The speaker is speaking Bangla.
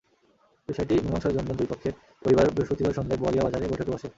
বিষয়টি মীমাংসার জন্য দুই পক্ষের পরিবার বৃহস্পতিবার সন্ধ্যায় বোয়ালিয়া বাজারে বৈঠকে বসে।